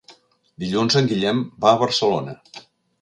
Dilluns en Guillem va a Barcelona.